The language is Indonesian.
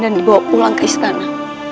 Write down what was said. dan dibawa pulang ke istana